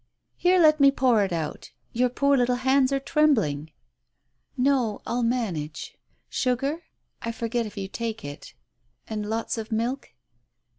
Here, let me pour it out. Your poor little hands are trembling." "No, I'll manage. Sugar? I forget if you take it? And lots of milk